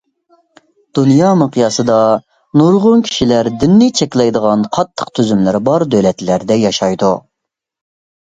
دۇنيا مىقياسىدا، نۇرغۇن كىشىلەر دىننى چەكلەيدىغان قاتتىق تۈزۈملىرى بار دۆلەتلەردە ياشايدۇ.